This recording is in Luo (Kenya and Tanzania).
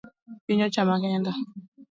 Piny ochama kenda